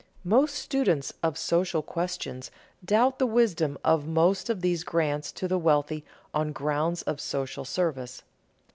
Most students of social questions doubt the wisdom of most of these grants to the wealthy on grounds of social service.